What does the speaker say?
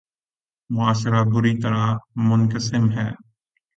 معاشرہ بری طرح منقسم ہے۔